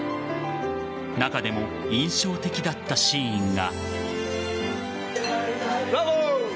中でも印象的だったシーンが。